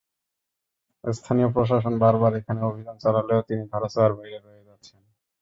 স্থানীয় প্রশাসন বারবার এখানে অভিযান চালালেও তিনি ধরাছোঁয়ার বাইরে রয়ে যাচ্ছেন।